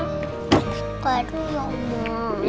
gak ada dong emang